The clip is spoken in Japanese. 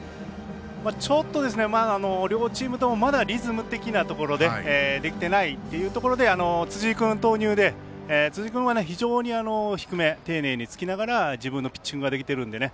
ちょっと、両チームともまだリズム的なところでできてないってところで辻井君投入で辻井君は非常に低めを丁寧につきながら、自分のピッチングができているんでね。